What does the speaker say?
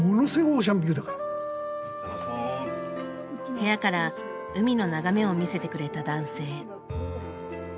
部屋から海の眺めを見せてくれた男性。